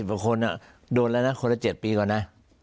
๘๐อักคนอ่ะโดนแล้วนะคนละ๗ปีก่อนนะ